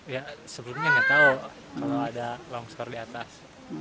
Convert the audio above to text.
ya sebelumnya nggak tahu kalau ada longsor di atas